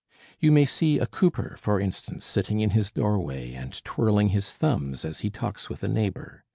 You may see a cooper, for instance, sitting in his doorway and twirling his thumbs as he talks with a neighbor.